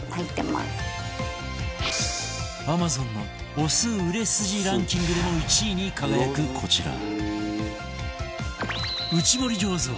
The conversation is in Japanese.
Ａｍａｚｏｎ のお酢売れ筋ランキングでも１位に輝くこちら